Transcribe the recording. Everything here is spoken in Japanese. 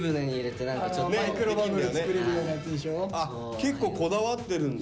結構こだわってるんだ。